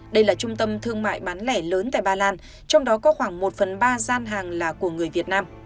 đây là trung tâm thương mại bán lẻ lớn tại ba lan trong đó có khoảng một phần ba gian hàng là của người việt nam